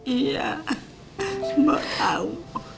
iya mbak tau